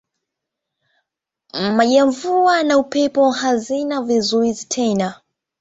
Maji ya mvua na upepo hazina vizuizi tena.